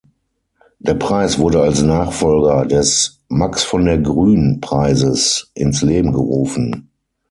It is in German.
Der Preis wurde als Nachfolger des "Max-von-der-Grün-Preises" ins Leben gerufen.